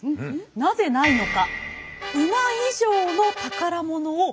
なぜないのか。